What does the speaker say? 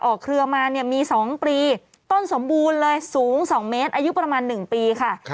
เครือมาเนี่ยมี๒ปีต้นสมบูรณ์เลยสูง๒เมตรอายุประมาณ๑ปีค่ะ